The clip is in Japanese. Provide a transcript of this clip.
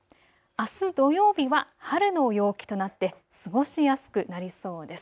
あす土曜日は春の陽気となって過ごしやすくなりそうです。